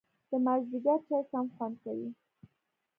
د مازیګر چای سم خوند کوي